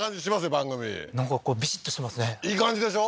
番組なんかビシッとしますねいい感じでしょ？